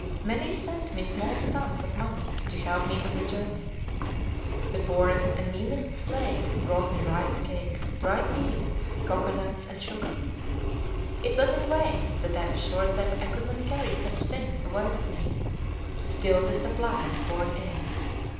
Many sent me small sums of money to help me on the journey. The poorest and meanest slaves brought me rice cakes, dried beans, cocoanuts, and sugar. It was in vain that I assured them I could not carry such things away with me; still the supplies poured in.